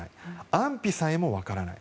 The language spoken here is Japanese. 安否さえも分からない。